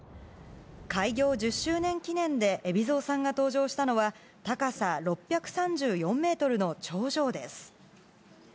開業１０周年記念で海老蔵さんが登場したのは、高さ６３４メートルの頂上です。